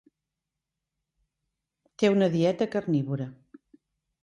Té una dieta carnívora.